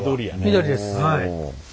緑です。